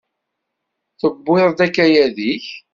Tewwiḍ-d akayad-ik?